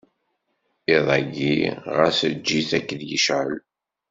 Iḍ-ayi ɣas eǧǧ-it akken yecɛel.